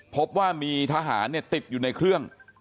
พบว่ามีทหารติดอยู่ในเครื่อง